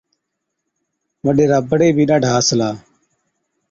وڏيرا بڙي بِي ڏاڍا هسلا،